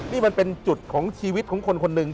นี่มันเป็นจุดของชีวิตของคนคนหนึ่ง